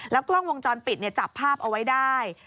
แล้วกล้องวงจรปิดเนี่ยจับภาพเอาไว้ได้